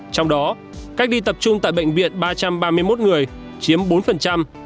trong đó cách ly tập trung tại bệnh viện ba trăm ba mươi một người chiếm bốn